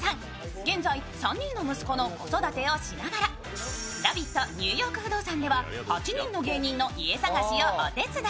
現在３人の息子の子育てをしながら「ラヴィット！ニューヨーク不動産」では８人の芸人の家探しをお手伝い。